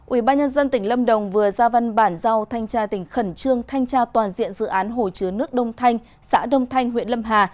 ubnd tỉnh lâm đồng vừa ra văn bản giao thanh tra tỉnh khẩn trương thanh tra toàn diện dự án hồ chứa nước đông thanh xã đông thanh huyện lâm hà